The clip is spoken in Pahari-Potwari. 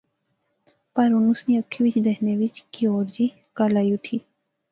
پر ہن اس نی اکھی وچ دیکھنے وچ کی ہور جئی کل آئی اٹھی